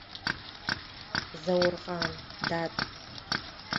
Заурҟан, дад.